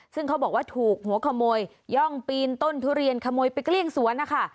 ซึ่งเขาบอกว่าถูกหัวขโมยย่องปีนต้นทุเรียนขโมยไปเกลี้ยงสวนนะคะ